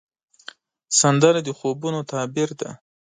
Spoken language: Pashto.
سندره د خوبونو تعبیر دی